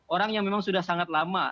orang yang memang sudah sangat lama